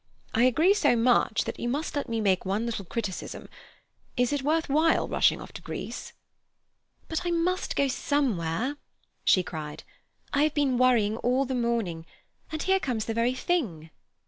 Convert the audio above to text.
I agree so much that you must let me make one little criticism: Is it worth while rushing off to Greece?" "But I must go somewhere!" she cried. "I have been worrying all the morning, and here comes the very thing."